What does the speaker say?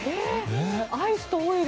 アイスとオイル？